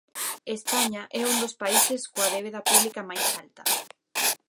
España é un dos países coa débeda pública máis alta.